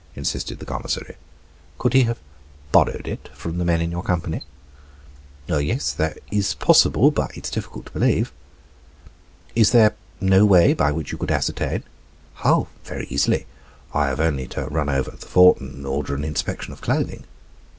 insisted the commissary. "Could he have borrowed it from the men in your company?" "Yes, that is possible; but it is difficult to believe." "Is there no way by which you could ascertain?" "Oh! very easily. I have only to run over to the fort and order an inspection of clothing."